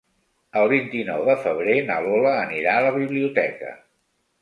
El vint-i-nou de febrer na Lola anirà a la biblioteca.